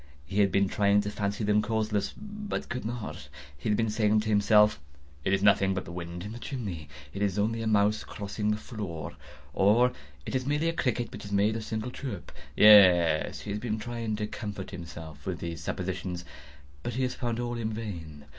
He had been trying to fancy them causeless, but could not. He had been saying to himself—"It is nothing but the wind in the chimney—it is only a mouse crossing the floor," or "It is merely a cricket which has made a single chirp." Yes, he had been trying to comfort himself with these suppositions: but he had found all in vain.